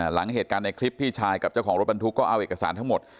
หลังเหตุการณ์ในคลิปพี่ชายกับเจ้าของรถบรรทุกก็เอาเอกสารทั้งหมด